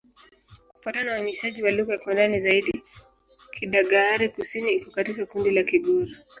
Kufuatana na uainishaji wa lugha kwa ndani zaidi, Kidagaare-Kusini iko katika kundi la Kigur.